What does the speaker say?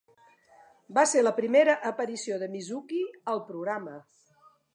Va ser la primera aparició de Mizuki al programa.